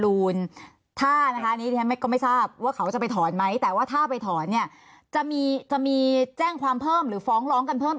ว่านั่นเดี๋ยวพี่นาดูอีกทีนึงครับ